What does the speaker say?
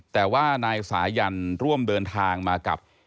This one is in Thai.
แต่ว่านายสายันร่วมเดินทางมากับ